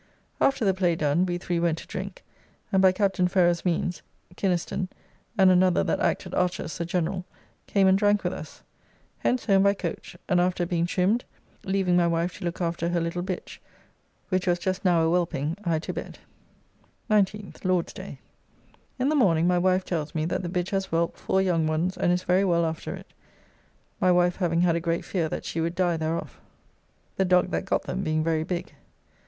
After the play done, we three went to drink, and by Captain Ferrers' means, Kinaston and another that acted Archas, the General, came and drank with us. Hence home by coach, and after being trimmed, leaving my wife to look after her little bitch, which was just now a whelping, I to bed. 19th (Lord's day). In the morning my wife tells me that the bitch has whelped four young ones and is very well after it, my wife having had a great fear that she would die thereof, the dog that got them being very big.